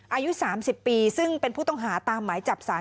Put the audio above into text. อายุ๓๐ปีซึ่งเป็นผู้ต้องหาตามหมายจับสาร